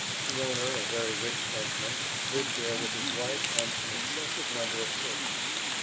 The owner, a very rich Frenchman, lived there with his wife and an excessive number of servants.